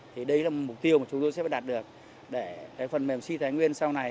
thì đây là mục tiêu mà chúng tôi sẽ đạt được để phần mềm xây thánh nguyên sau này